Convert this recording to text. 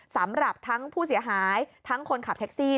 สำหรับทั้งผู้เสียหายทั้งคนขับแท็กซี่